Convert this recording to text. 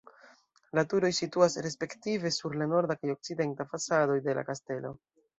La turoj situas respektive sur la norda kaj okcidenta fasadoj de la kastelo.